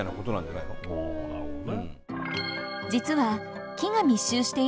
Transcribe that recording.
おなるほどね。